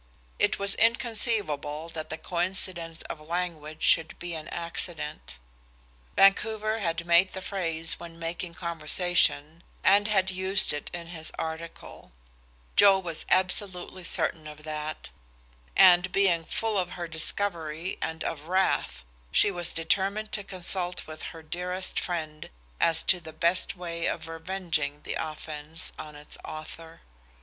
It was inconceivable that the coincidence of language should be an accident. Vancouver had made the phrase when making conversation, and had used it in his article; Joe was absolutely certain of that, and being full of her discovery and of wrath, she was determined to consult with her dearest friend as to the best way of revenging the offense on its author.